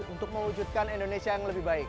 untuk mewujudkan indonesia yang lebih baik